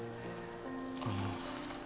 あの。